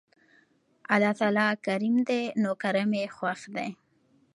الله تعالی کريم دی نو کرَم ئي خوښ دی